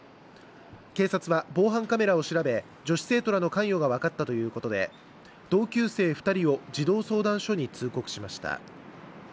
警察は防犯カメラを調べ、女子生徒らの関与が分かったということで同級生２人を児童相談所に通告しました。